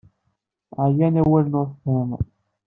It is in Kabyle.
Ɛeyyen awalen ur tefhimeḍ.